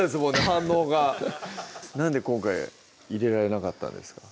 反応がなんで今回入れられなかったんですか？